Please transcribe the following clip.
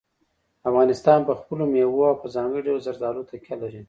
افغانستان په خپلو مېوو او په ځانګړي ډول زردالو تکیه لري.